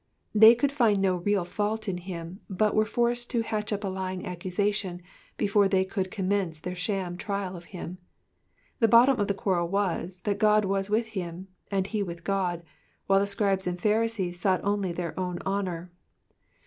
They could find no real fault in him, but were forced to natch up a lying accusation before they could conmience their sham trial of him. The oottom of the a uarrel was, that God was with him, and he with God, while the Scribes ana Pharisees sought only their own honour.